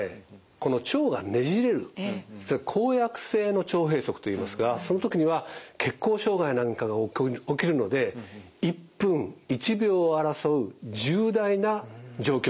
この腸がねじれる絞やく性の腸閉塞といいますがその時には血行障害なんかが起きるので１分１秒を争う重大な状況になります。